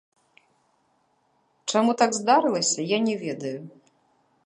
Чаму так здарылася, я не ведаю.